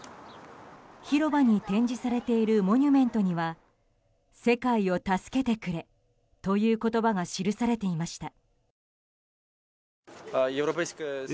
広場に展示されているモニュメントには世界を助けてくれという言葉が記されていました。